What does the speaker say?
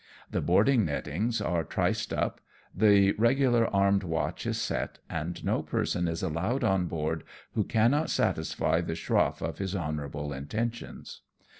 The boarding nettings are triced up, the regular armed watch is set, and no person is allowed on board who cannot satisfy the schroff of his honourable intentions.